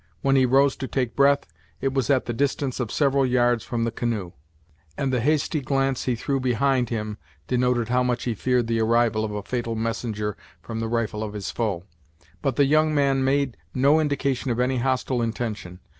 When he rose to take breath, it was at the distance of several yards from the canoe, and the hasty glance he threw behind him denoted how much he feared the arrival of a fatal messenger from the rifle of his foe. But the young man made no indication of any hostile intention.